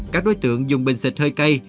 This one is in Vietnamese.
các đối tượng dùng bình xịt hơi cay